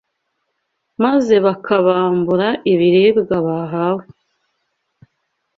maze bakabambura ibiribwa bahawe